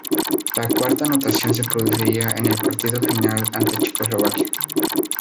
La cuarta anotación se produciría en el partido final ante Checoslovaquia.